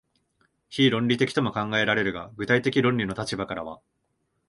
非論理的とも考えられるが、具体的論理の立場からは、